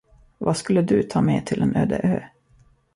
Vad skulle du ta med till en öde ö?